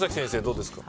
どうですか？